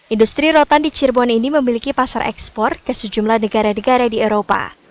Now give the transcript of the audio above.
industri rotan di cirebon ini memiliki pasar ekspor ke sejumlah negara negara di eropa